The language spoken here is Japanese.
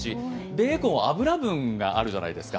ベーコンは脂分があるじゃないですか。